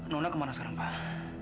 nona kemana sekarang pak